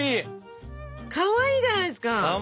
かわいいじゃないですか。